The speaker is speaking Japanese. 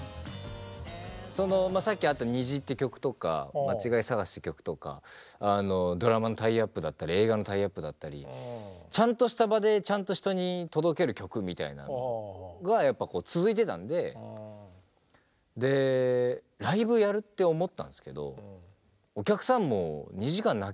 さっきあった「虹」って曲とか「まちがいさがし」って曲とかドラマのタイアップだったり映画のタイアップだったりちゃんとした場でちゃんと人に届ける曲みたいなのがやっぱこう続いてたんでライブやるって思ったんですけどお客さんも２時間泣きっぱもしんどいと。